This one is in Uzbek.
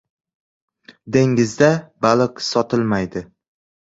• Dengizda baliq sotilmaydi.